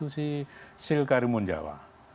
si silkarimun jawa